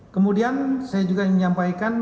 kemudian saya juga menyampaikan